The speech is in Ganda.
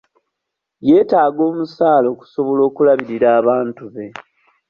Yeetaaga omusaala okusobola okulabirira abantu be.